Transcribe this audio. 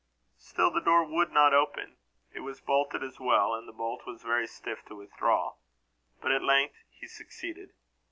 Still the door would not open: it was bolted as well, and the bolt was very stiff to withdraw. But at length he succeeded.